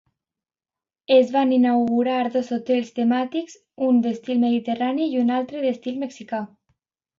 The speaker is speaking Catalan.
Es van inaugurar dos hotels temàtics: un d'estil mediterrani i un altre d'estil mexicà.